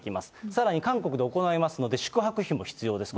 さらに韓国で行いますので、宿泊費も必要です。